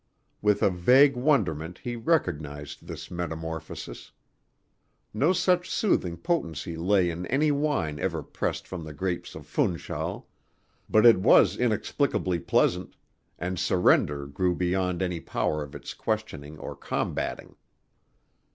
With a vague wonderment he recognized this metamorphosis. No such soothing potency lay in any wine ever pressed from the grapes of Funchal; but it was inexplicably pleasant, and surrender grew beyond any power of its questioning or combatting.